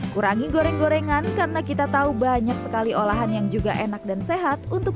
kurangi goreng gorengan karena kita tahu banyak sekali olahan yang juga enak dan sehat untuk